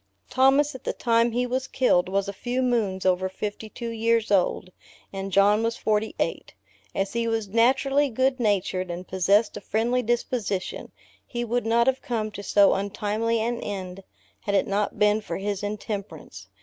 Thomas, at the time he was killed, was a few moons over fifty two years old, and John was forty eight. As he was naturally good natured, and possessed a friendly disposition, he would not have come to so untimely an end, had it not been far his intemperance.